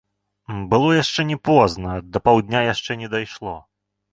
Было яшчэ не позна, да паўдня яшчэ не дайшло.